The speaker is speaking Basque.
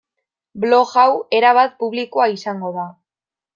Blog hau erabat publikoa izango da.